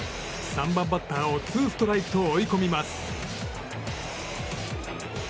３番バッターをツーストライクと追い込みます。